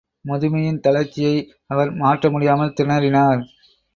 முதுமையின் தளர்ச்சியை அவர் மாற்ற முடியாமல் திணறினார்.